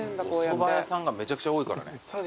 おそば屋さんがめちゃくちゃ多いからね。